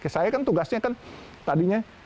saya kan tugasnya kan tadinya